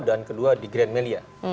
dan kedua di grand melia